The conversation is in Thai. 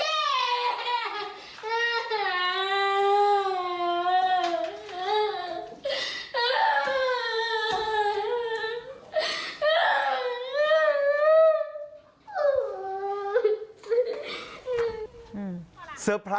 ในความถูกสนใจไหมครับ